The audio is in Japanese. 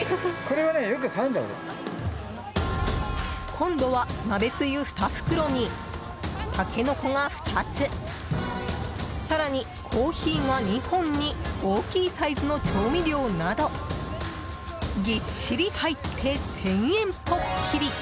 今度は、鍋つゆ２袋にタケノコが２つ更にコーヒーが２本に大きいサイズの調味料などぎっしり入って１０００円ぽっきり！